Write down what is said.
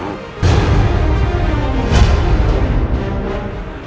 jangan suka marah gitu sama devi bu